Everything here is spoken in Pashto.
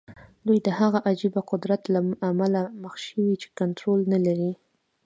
دوی د هغه عجيبه قدرت له امله مخ شوي چې کنټرول نه لري.